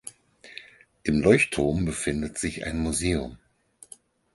Im Leuchtturm befindet sich ein Museum.